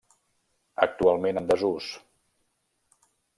Actualment en desús.